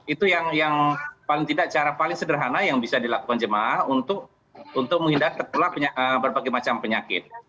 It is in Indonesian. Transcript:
itu yang paling tidak cara paling sederhana yang bisa dilakukan jemaah untuk menghindar ketulap berbagai macam penyakit